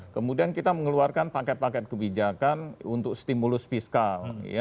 kemudian kita mengeluarkan paket paket kebijakan untuk stimulus fiskal